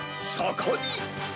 そこに。